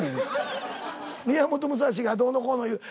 宮本武蔵がどうのこうのいう。